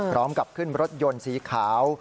พร้อมกับขึ้นรถยนต์สีขาว